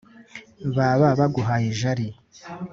baba baguhaye jali